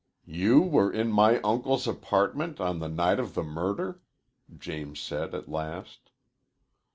"You were in my uncle's apartment on the night of the murder?" James said at last.